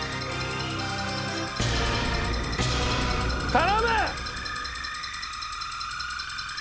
頼む！